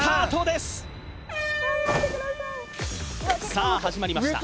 さあ始まりました